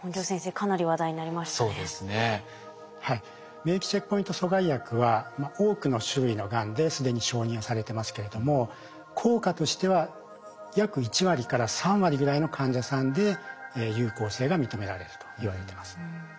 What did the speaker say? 免疫チェックポイント阻害薬は多くの種類のがんで既に承認をされてますけれども効果としては約１割から３割ぐらいの患者さんで有効性が認められるといわれてます。